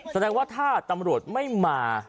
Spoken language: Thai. แสดงว่าถ้าตำรวจไม่มา